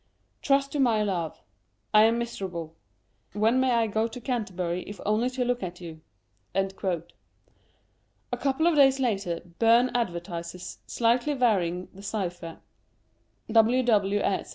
Trust to my love. I am miserable. When may I go to Canter bury if only to look at you ?" A couple of days later Byrne advertises, slightly varying the cypher : WWS.